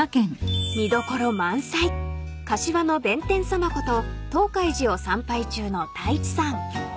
［見どころ満載柏の弁天さまこと東海寺を参拝中の太一さん］